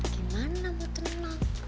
gimana mau tenang